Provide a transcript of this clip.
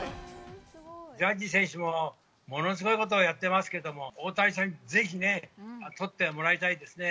ジャッジ選手もものすごいことをやってますけども、大谷さんにぜひね、とってもらいたいですね。